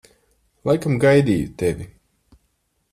Laikam gaidīju tevi.